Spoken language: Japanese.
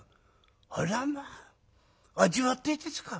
あらま味わっていいですか？